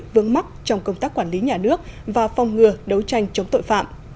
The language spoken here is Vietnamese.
vướng mắt trong công tác quản lý nhà nước và phong ngừa đấu tranh chống tội phạm